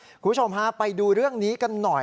คุณผู้ชมฮะไปดูเรื่องนี้กันหน่อย